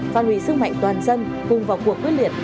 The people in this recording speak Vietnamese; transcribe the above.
phan hủy sức mạnh toàn dân cùng vào cuộc quyết liệt